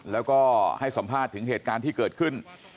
แล้วก็ให้สัมภาษณ์ถึงเหตุการณ์ที่เกิดขึ้น